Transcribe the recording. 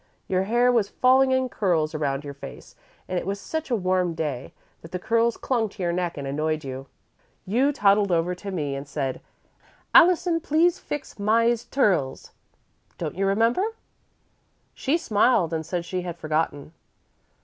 Your hair was falling in curls all round your face and it was such a warm day that the curls clung to your neck and annoyed you. You toddled over to me and said: 'Allison, please fix my's turls.' Don't you remember?" She smiled and said she had forgotten.